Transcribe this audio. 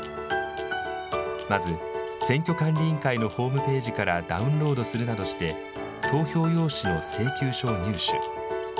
まず、選挙管理委員会のホームページからダウンロードするなどして、投票用紙の請求書を入手。